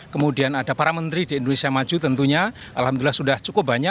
kemudian ada para menteri di indonesia maju tentunya alhamdulillah sudah cukup banyak